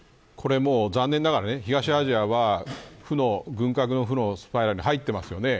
残念ながら東アジアは軍拡の負のスパイラルに入っています。